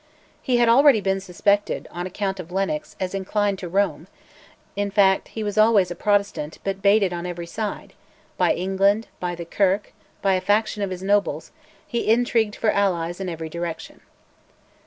He had already been suspected, on account of Lennox, as inclined to Rome: in fact, he was always a Protestant, but baited on every side by England, by the Kirk, by a faction of his nobles: he intrigued for allies in every direction.